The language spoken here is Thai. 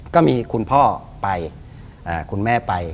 ก็มีคุณพ่อไปคุณแม่ไป